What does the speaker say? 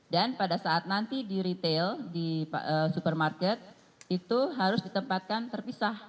dan pada saat nanti di retail di supermarket itu harus ditempatkan terpisah